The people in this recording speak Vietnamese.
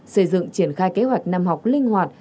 xây dựng triển khai kế hoạch năm học linh hoạt